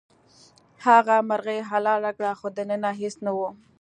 هغه مرغۍ حلاله کړه خو دننه هیڅ نه وو.